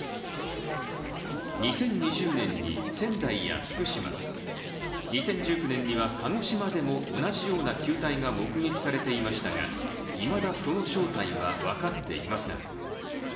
２０２０年に仙台や福島、２０１９年には鹿児島でも同じような球体が目撃されていましたがいまだその正体は分かっていません。